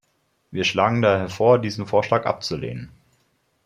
Wir schlagen daher vor, diesen Vorschlag abzulehnen.